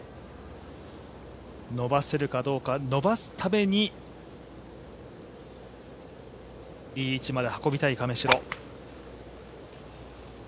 伸ばせるかどうか、伸ばすために、いい位置まで運びたい亀代。